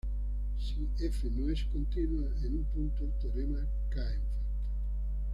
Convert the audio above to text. Si f no es continua en un punto, el teorema cae en falta.